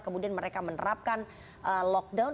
kemudian mereka menerapkan lockdown